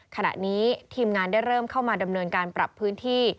ขณะนี้ทีมงานได้เริ่มเข้ามาดำเนินการปรับพื้นที่